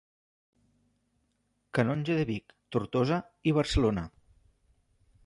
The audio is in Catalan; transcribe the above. Canonge de Vic, Tortosa i Barcelona.